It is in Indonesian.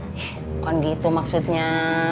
bukan gitu maksudnya